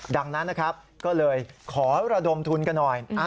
ดังนั้นนะครับก็เลยขอระดมทุนกันหน่อย